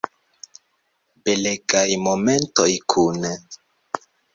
Belegaj momentoj kune.